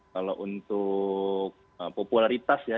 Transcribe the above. kalau untuk popularitas ya